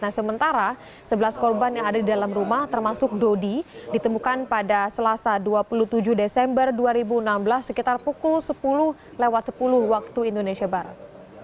nah sementara sebelas korban yang ada di dalam rumah termasuk dodi ditemukan pada selasa dua puluh tujuh desember dua ribu enam belas sekitar pukul sepuluh lewat sepuluh waktu indonesia barat